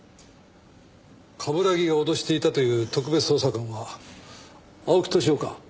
冠城が脅していたという特別捜査官は青木年男か？